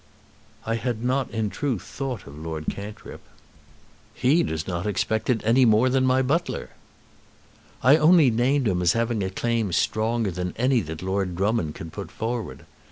"I had not, in truth, thought of Lord Cantrip." "He does not expect it any more than my butler." "I only named him as having a claim stronger than any that Lord Drummond can put forward.